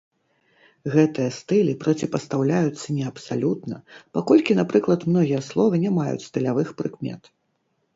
Гэтыя стылі проціпастаўляюцца не абсалютна, паколькі, напрыклад, многія словы не маюць стылявых прыкмет.